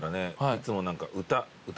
いつも何か歌。